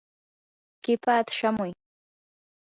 qipaata shamuy.